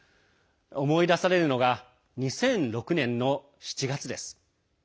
思い出されるのが２００６年の７月です。